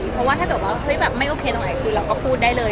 เพราะว่าถ้าถือว่าไม่โอเคตรงไหนคือเราก็พูดได้เลย